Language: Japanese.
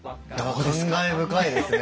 感慨深いですね。